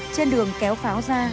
trên đường kéo pháo ra